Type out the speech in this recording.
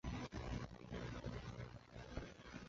卡尔在路上认识了爱尔兰人罗宾逊和法国人德拉马什。